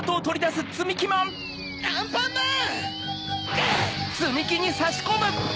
アンパンマン！